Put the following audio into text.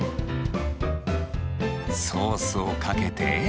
ソースをかけて。